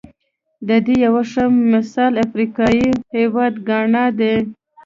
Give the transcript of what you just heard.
د دې یو ښه مثال افریقايي هېواد ګانا دی.